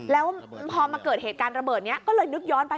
แล้วพอมาเกิดเหตุการณ์ระเบิดนี้ก็เลยนึกย้อนไป